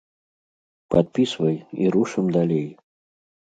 Падпісвай, і рушым далей!